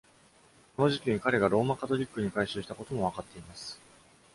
この時期に彼がローマカトリックに改宗したこともわかっています。